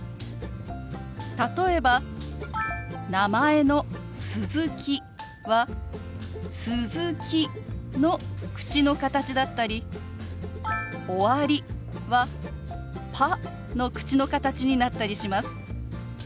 例えば名前の「鈴木」は「すずき」の口の形だったり「終わり」は「パ」の口の形になったりします。